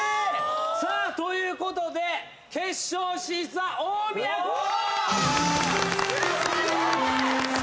ということで決勝進出は大宮高校！